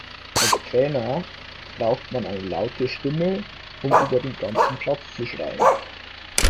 Als Trainer braucht man eine laute Stimme, um über den ganzen Platz zu schreien.